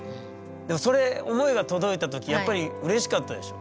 でもそれ思いが届いた時やっぱりうれしかったでしょ？